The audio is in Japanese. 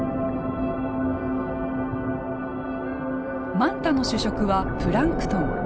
マンタの主食はプランクトン。